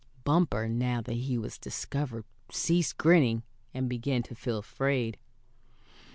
Bumper, now that he was discovered, ceased grinning, and began to feel afraid.